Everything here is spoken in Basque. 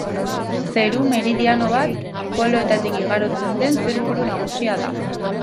Zeru meridiano bat, poloetatik igarotzen den zirkulu nagusia da.